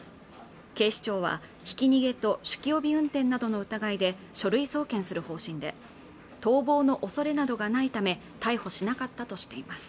警視庁はひき逃げと酒気帯び運転などの疑いで書類送検する方針で逃亡のおそれなどがないため逮捕しなかったとしています